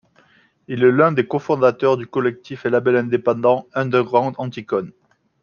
Il est l’un des cofondateurs du collectif et label indépendant underground anticon..